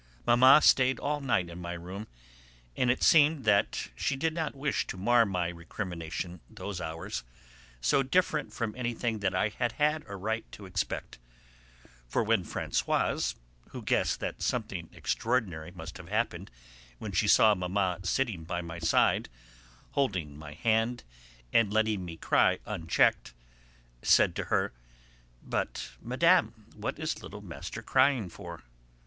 Mamma stayed all night in my room, and it seemed that she did not wish to mar by recrimination those hours, so different from anything that I had had a right to expect; for when Françoise (who guessed that something extraordinary must have happened when she saw Mamma sitting by my side, holding my hand and letting me cry unchecked) said to her: "But, Madame, what is little Master crying for?"